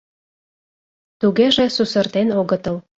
Тугеже сусыртен огытыл.